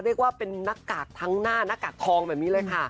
เรียกว่าเป็นหน้ากากทั้งหน้าหน้ากากทองแบบนี้เลยค่ะ